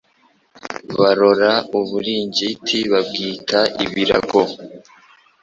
Barora uburingiti babwita ibirago